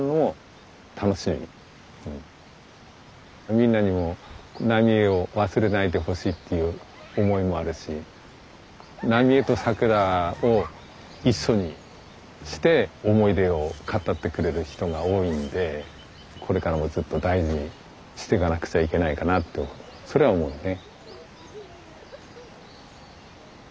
みんなにも浪江を忘れないでほしいっていう思いもあるし浪江と桜を一緒にして思い出を語ってくれる人が多いんでこれからもずっと大事にしていかなくちゃいけないかなとそれは思うよね。